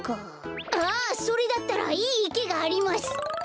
それだったらいいいけがあります。